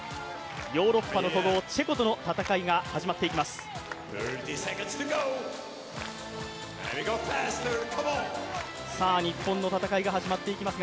ヨーロッパの古豪・チェコとの戦いが始まっていきます。